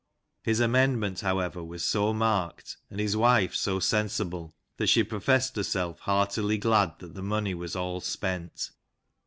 His amendment, however, was so marked, and his wife so sensible, that she professed herself heartily glad that the money was all spent.